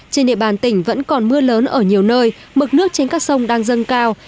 trên địa bàn tỉnh vẫn còn mưa lớn ở nhiều nơi mực nước trên các sông đang dâng cao